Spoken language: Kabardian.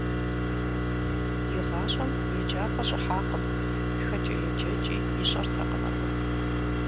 ИгъащӀэм еджапӏэ щӀыхьакъым, тхэкӀэ-еджэкӀи ищӀэртэкъым абы.